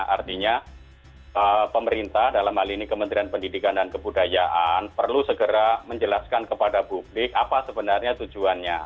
artinya pemerintah dalam hal ini kementerian pendidikan dan kebudayaan perlu segera menjelaskan kepada publik apa sebenarnya tujuannya